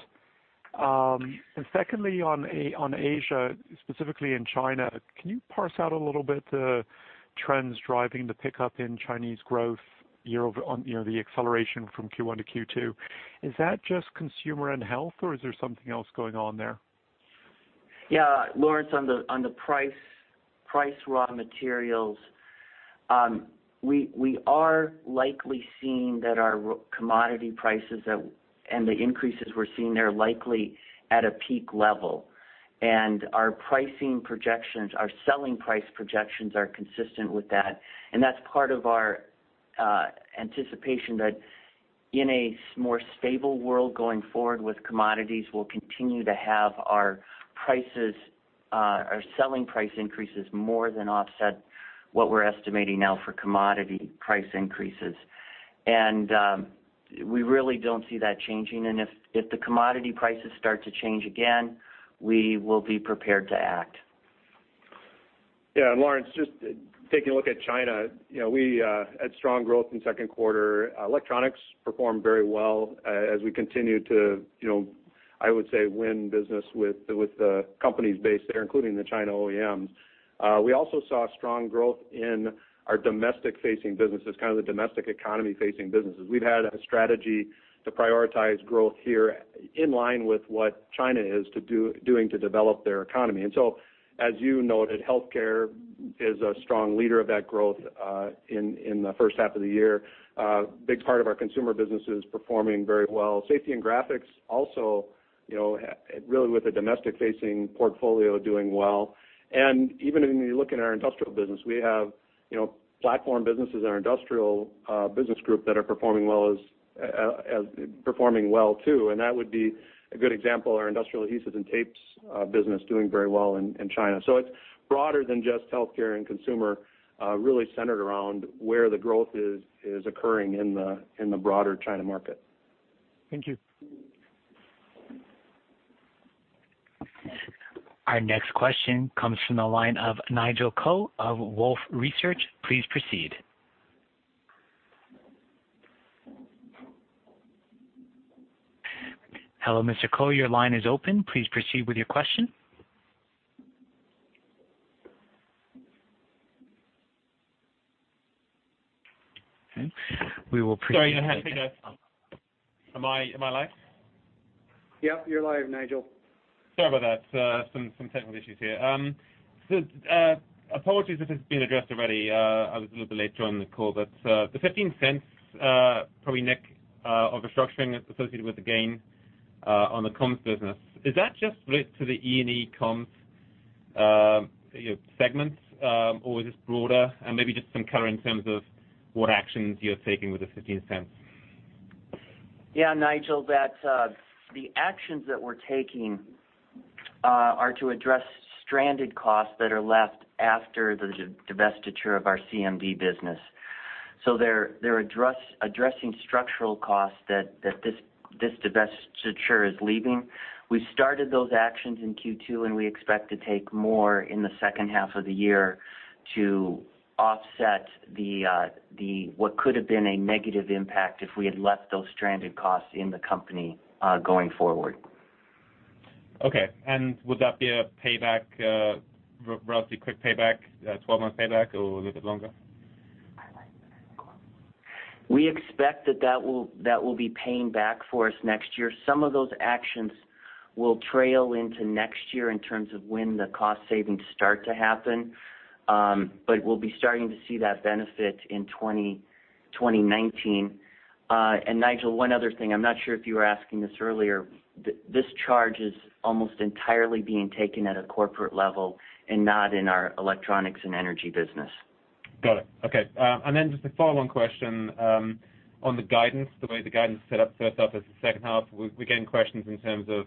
Secondly, on Asia, specifically in China, can you parse out a little bit the trends driving the pickup in Chinese growth, the acceleration from Q1 to Q2? Is that just consumer and health, or is there something else going on there? Yeah. Laurence, on the price raw materials, we are likely seeing that our commodity prices and the increases we're seeing there are likely at a peak level. Our pricing projections, our selling price projections are consistent with that, and that's part of our anticipation that in a more stable world going forward with commodities, we'll continue to have our selling price increases more than offset what we're estimating now for commodity price increases. We really don't see that changing. If the commodity prices start to change again, we will be prepared to act. Yeah. Laurence, just taking a look at China, we had strong growth in second quarter. Electronics performed very well as we continued to, I would say, win business with the companies based there, including the China OEMs. We also saw strong growth in our domestic facing businesses, kind of the domestic economy facing businesses. We've had a strategy to prioritize growth here in line with what China is doing to develop their economy. As you noted, Health Care is a strong leader of that growth in the first half of the year. A big part of our consumer business is performing very well. Safety and Graphics also, really with a domestic facing portfolio, doing well. Even when you look at our industrial business, we have platform businesses in our industrial business group that are performing well, too, and that would be a good example, our industrial adhesives and tapes business doing very well in China. It's broader than just Health Care and consumer, really centered around where the growth is occurring in the broader China market. Thank you. Our next question comes from the line of Nigel Coe of Wolfe Research. Please proceed. Hello, Mr. Coe, your line is open. Please proceed with your question. Okay. We will proceed. Sorry, I had to go. Am I live? Yeah, you're live, Nigel. Sorry about that. Some technical issues here. Apologies if this has been addressed already, I was a little bit late to join the call. The $0.15, probably Nick, of restructuring associated with the gain on the comms business. Is that just related to the E&E comms segments? Or is this broader? Maybe just some color in terms of what actions you're taking with the $0.15. Yeah, Nigel, the actions that we're taking are to address stranded costs that are left after the divestiture of our CMD business. They're addressing structural costs that this divestiture is leaving. We started those actions in Q2. We expect to take more in the second half of the year to offset what could have been a negative impact if we had left those stranded costs in the company going forward. Okay. Would that be a relatively quick payback, 12-month payback, or a little bit longer? We expect that will be paying back for us next year. Some of those actions will trail into next year in terms of when the cost savings start to happen. We'll be starting to see that benefit in 2019. Nigel, one other thing, I'm not sure if you were asking this earlier, this charge is almost entirely being taken at a corporate level and not in our Electronics and Energy Business. Got it. Okay. Just a follow-on question on the guidance, the way the guidance is set up, first half versus second half. We're getting questions in terms of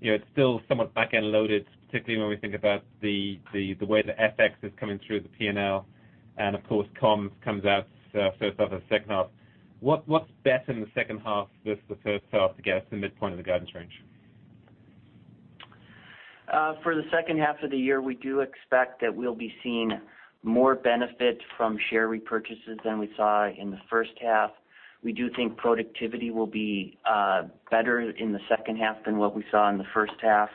it's still somewhat back-end loaded, particularly when we think about the way the FX is coming through the P&L, and of course, comms comes out first half and second half. What's better in the second half versus the first half to get us to the midpoint of the guidance range? For the second half of the year, we do expect that we'll be seeing more benefit from share repurchases than we saw in the first half. We do think productivity will be better in the second half than what we saw in the first half.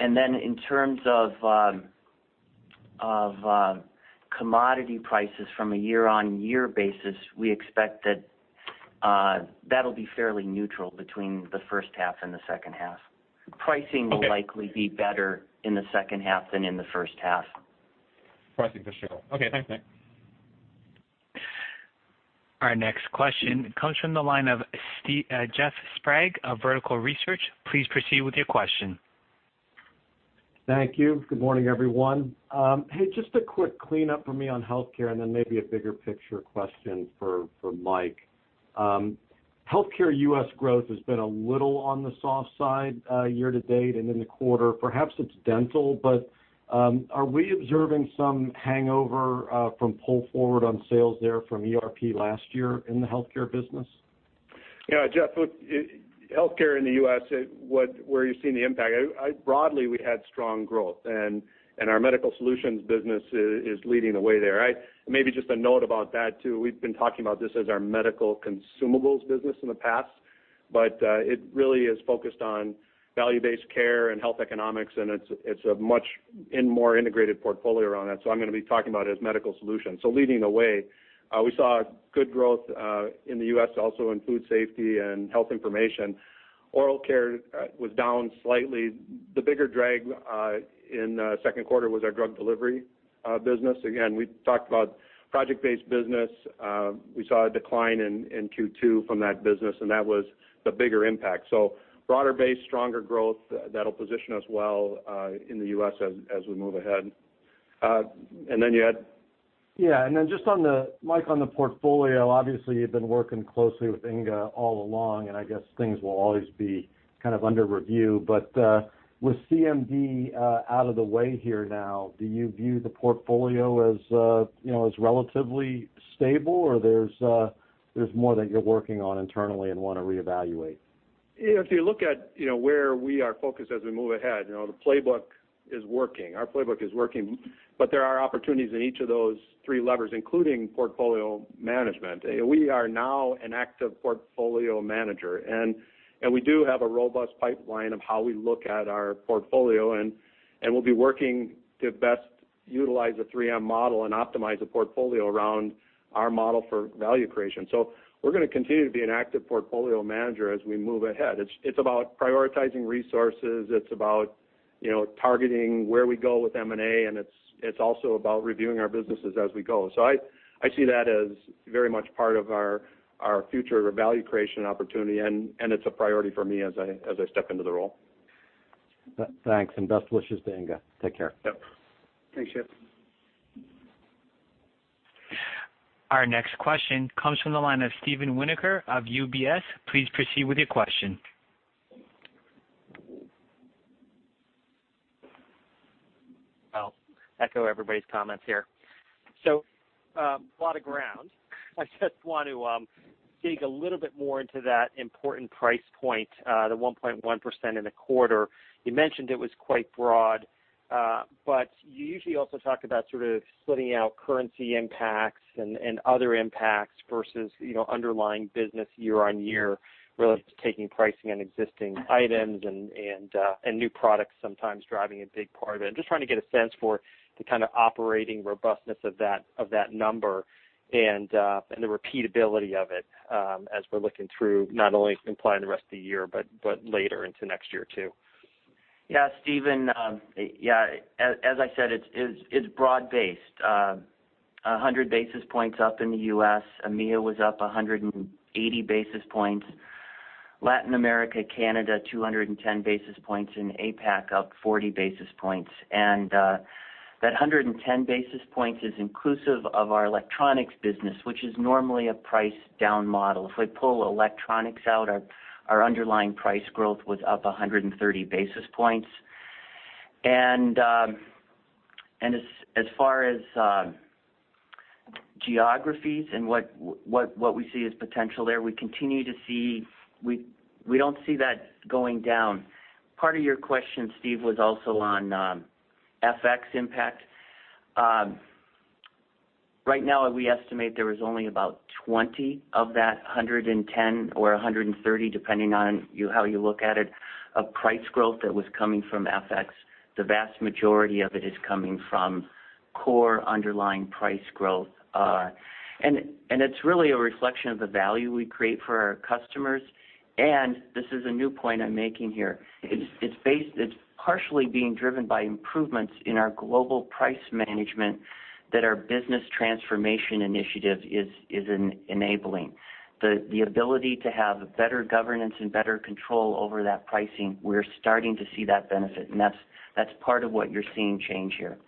In terms of commodity prices from a year-over-year basis, we expect that that'll be fairly neutral between the first half and the second half. Okay. Pricing will likely be better in the second half than in the first half. Pricing for sure. Okay, thanks, Nick. Our next question comes from the line of Jeffrey Sprague of Vertical Research. Please proceed with your question. Thank you. Good morning, everyone. Hey, just a quick cleanup for me on healthcare. Then maybe a bigger picture question for Mike. Healthcare U.S. growth has been a little on the soft side year-to-date and in the quarter. Perhaps it's dental, are we observing some hangover from pull forward on sales there from ERP last year in the healthcare business? Yeah, Jeff, look, healthcare in the U.S., where you're seeing the impact, broadly, we had strong growth. Our Medical Solutions business is leading the way there. Maybe just a note about that, too. We've been talking about this as our medical consumables business in the past, it really is focused on value-based care and health economics, and it's a much more integrated portfolio around that. I'm going to be talking about it as Medical Solutions. Leading the way, we saw good growth in the U.S. also in food safety and health information. Oral care was down slightly. The bigger drag in the second quarter was our drug delivery business. Again, we talked about project-based business. We saw a decline in Q2 from that business, that was the bigger impact. Broader base, stronger growth, that'll position us well in the U.S. as we move ahead. Then you had? Yeah. Then just, Mike, on the portfolio, obviously, you've been working closely with Inge all along. I guess things will always be kind of under review. With CMD out of the way here now, do you view the portfolio as relatively stable, or there's more that you're working on internally and want to reevaluate? If you look at where we are focused as we move ahead, the playbook is working. Our playbook is working. There are opportunities in each of those three levers, including portfolio management. We are now an active portfolio manager. We do have a robust pipeline of how we look at our portfolio. We'll be working to best utilize the 3M model and optimize the portfolio around our model for value creation. We're going to continue to be an active portfolio manager as we move ahead. It's about prioritizing resources, it's about targeting where we go with M&A, and it's also about reviewing our businesses as we go. I see that as very much part of our future value creation opportunity. It's a priority for me as I step into the role. Thanks. Best wishes to Inge. Take care. Yep. Thanks, Jeff. Our next question comes from the line of Steven Winoker of UBS. Please proceed with your question. I'll echo everybody's comments here. A lot of ground. I just want to dig a little bit more into that important price point, the 1.1% in the quarter. You mentioned it was quite broad. You usually also talk about sort of splitting out currency impacts and other impacts versus underlying business year-on-year relative to taking pricing on existing items and new products sometimes driving a big part of it. I'm just trying to get a sense for the kind of operating robustness of that number and the repeatability of it as we're looking through not only implying the rest of the year, but later into next year, too. Yeah, Steven. As I said, it's broad-based. 100 basis points up in the U.S. EMEA was up 180 basis points. Latin America, Canada, 210 basis points, and APAC up 40 basis points. That 110 basis points is inclusive of our electronics business, which is normally a price down model. If we pull electronics out, our underlying price growth was up 130 basis points. As far as geographies and what we see as potential there, we don't see that going down. Part of your question, Steve, was also on FX impact. Right now, we estimate there was only about 20 of that 110 or 130, depending on how you look at it, of price growth that was coming from FX. The vast majority of it is coming from core underlying price growth. It's really a reflection of the value we create for our customers. This is a new point I'm making here. It's partially being driven by improvements in our global price management that our Business Transformation Initiative is enabling. The ability to have better governance and better control over that pricing, we're starting to see that benefit. That's part of what you're seeing change here.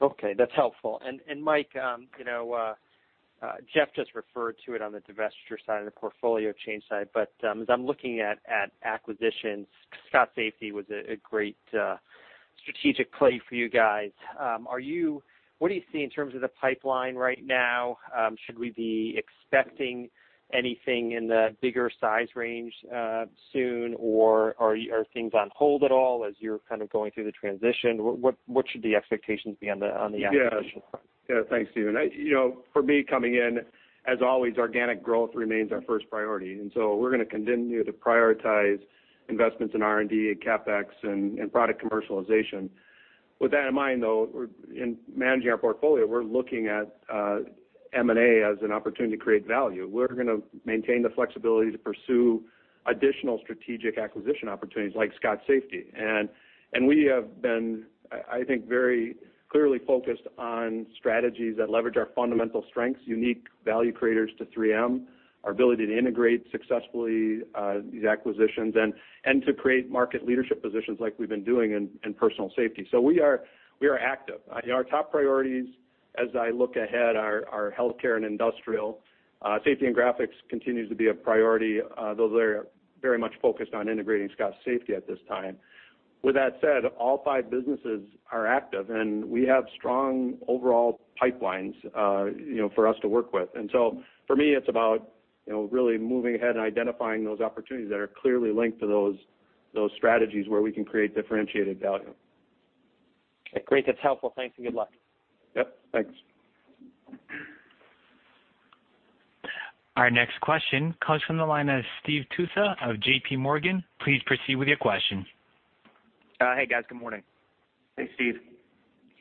Okay, that's helpful. Mike, Jeff just referred to it on the divestiture side and the portfolio change side. As I'm looking at acquisitions, Scott Safety was a great strategic play for you guys. What do you see in terms of the pipeline right now? Should we be expecting anything in the bigger size range soon, or are things on hold at all as you're kind of going through the transition? What should the expectations be on the acquisition front? Yeah, thanks, Steven. For me coming in, as always, organic growth remains our first priority, we're going to continue to prioritize investments in R&D and CapEx and product commercialization. With that in mind, though, in managing our portfolio, we're looking at M&A as an opportunity to create value. We're going to maintain the flexibility to pursue additional strategic acquisition opportunities like Scott Safety. We have been, I think, very clearly focused on strategies that leverage our fundamental strengths, unique value creators to 3M, our ability to integrate successfully these acquisitions and to create market leadership positions like we've been doing in personal safety. We are active. Our top priorities as I look ahead are healthcare and industrial. Safety and Graphics continues to be a priority, though they're very much focused on integrating Scott Safety at this time. With that said, all five businesses are active, and we have strong overall pipelines for us to work with. For me, it's about really moving ahead and identifying those opportunities that are clearly linked to those strategies where we can create differentiated value. Okay, great. That's helpful. Thanks, and good luck. Yep. Thanks. Our next question comes from the line of Steve Tusa of JPMorgan. Please proceed with your question. Hey, guys. Good morning. Hey, Steve.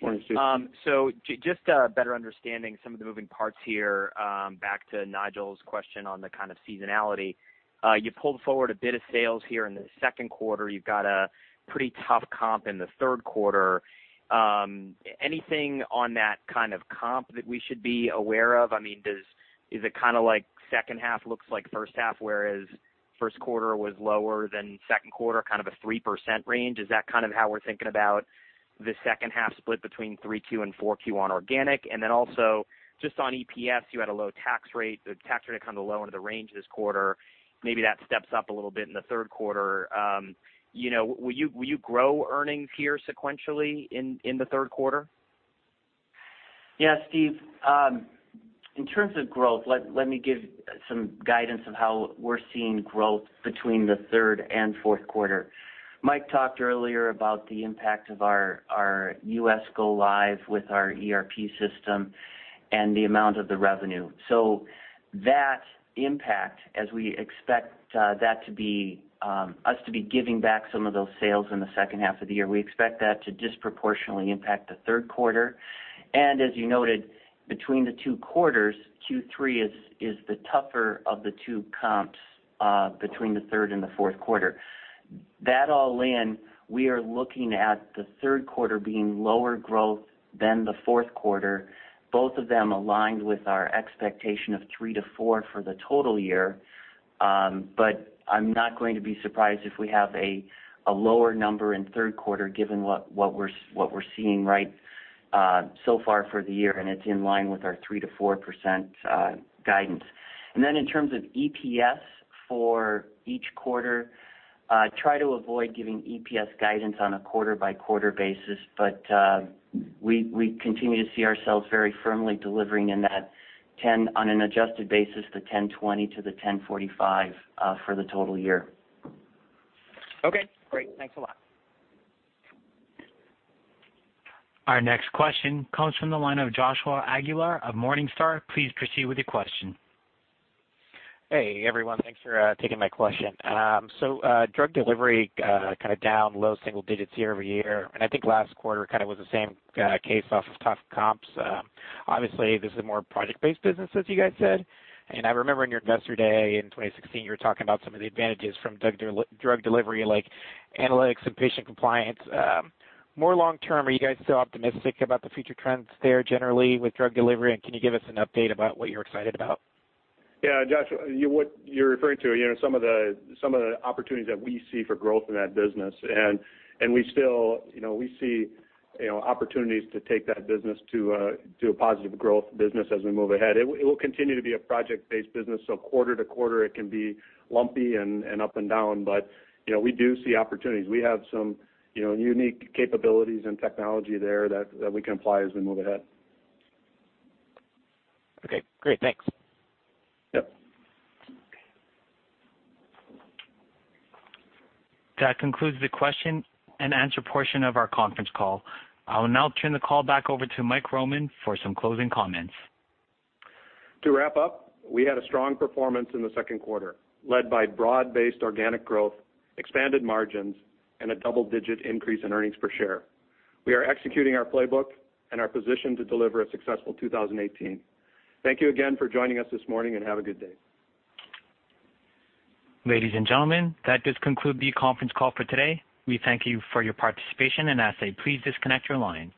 Morning, Steve. Just better understanding some of the moving parts here. Back to Nigel's question on the kind of seasonality. You pulled forward a bit of sales here in the second quarter. You've got a pretty tough comp in the third quarter. Anything on that kind of comp that we should be aware of? Is it kind of like second half looks like first half, whereas first quarter was lower than second quarter, kind of a 3% range? Is that kind of how we're thinking about the second half split between three Q and four Q on organic? Also just on EPS, you had a low tax rate. The tax rate kind of low end of the range this quarter. Maybe that steps up a little bit in the third quarter. Will you grow earnings here sequentially in the third quarter? Yeah, Steve. In terms of growth, let me give some guidance of how we're seeing growth between the third and fourth quarter. Mike talked earlier about the impact of our U.S. go live with our ERP system and the amount of the revenue. That impact, as we expect us to be giving back some of those sales in the second half of the year, we expect that to disproportionately impact the third quarter. As you noted, between the two quarters, Q3 is the tougher of the two comps between the third and the fourth quarter. That all in, we are looking at the third quarter being lower growth than the fourth quarter, both of them aligned with our expectation of 3%-4% for the total year. I'm not going to be surprised if we have a lower number in third quarter given what we're seeing so far for the year, and it's in line with our 3% to 4% guidance. In terms of EPS for each quarter, try to avoid giving EPS guidance on a quarter-by-quarter basis. We continue to see ourselves very firmly delivering in that on an adjusted basis, the $10.20-$10.45 for the total year. Okay, great. Thanks a lot. Our next question comes from the line of Joshua Aguilar of Morningstar. Please proceed with your question. Hey, everyone. Thanks for taking my question. Drug delivery kind of down low single digits year-over-year. I think last quarter kind of was the same case off of tough comps. Obviously, this is a more project-based business, as you guys said. I remember in your Investor Day in 2016, you were talking about some of the advantages from drug delivery like analytics and patient compliance. More long term, are you guys still optimistic about the future trends there generally with drug delivery? Can you give us an update about what you're excited about? Yeah, Josh, what you're referring to, some of the opportunities that we see for growth in that business, and we see opportunities to take that business to a positive growth business as we move ahead. It will continue to be a project-based business, so quarter-to-quarter, it can be lumpy and up and down. We do see opportunities. We have some unique capabilities and technology there that we can apply as we move ahead. Okay, great. Thanks. Yep. That concludes the question and answer portion of our conference call. I will now turn the call back over to Mike Roman for some closing comments. To wrap up, we had a strong performance in the second quarter, led by broad-based organic growth, expanded margins, and a double-digit increase in earnings per share. We are executing our playbook and are positioned to deliver a successful 2018. Thank you again for joining us this morning, and have a good day. Ladies and gentlemen, that does conclude the conference call for today. We thank you for your participation, and I say please disconnect your lines.